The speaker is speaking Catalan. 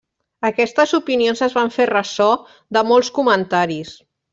Aquestes opinions es van fer ressò de molts comentaris.